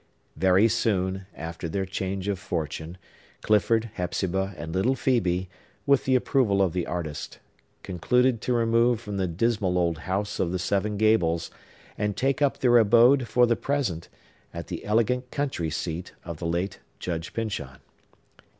Very soon after their change of fortune, Clifford, Hepzibah, and little Phœbe, with the approval of the artist, concluded to remove from the dismal old House of the Seven Gables, and take up their abode, for the present, at the elegant country seat of the late Judge Pyncheon.